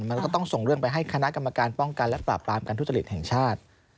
มันก็ต้องส่งเรื่องไปให้คณะกรรมการป้องกันและปราบปรามการทุจริตแห่งชาติ